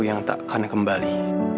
yang tak akan kembali